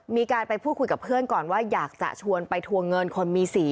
มีการไปพูดคุยกับเพื่อนก่อนว่าอยากจะชวนไปทวงเงินคนมีสี